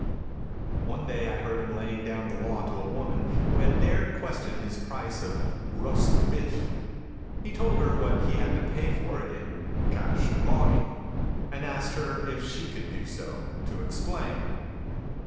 One day I heard him laying down the law to a woman who had dared question his price of "Rust Bif." He told her what he had to pay for it in "Cash Mawney" and asked her if she could do so, to explain.